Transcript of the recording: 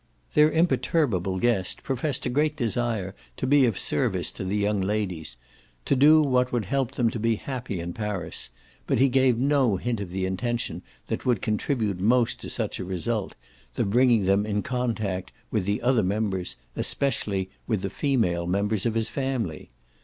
Their imperturbable guest professed a great desire to be of service to the young ladies to do what would help them to be happy in Paris; but he gave no hint of the intention that would contribute most to such a result, the bringing them in contact with the other members, especially with the female members, of his family.